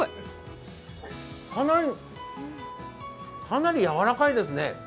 かなりやわらかいですね。